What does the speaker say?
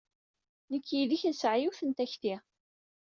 Nekk yid-k nesɛa yiwet n takti.